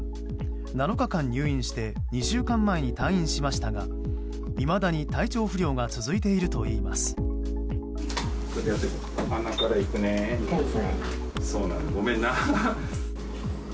７日間入院して２週間前に退院しましたがいまだに体調不良が続いているといいます。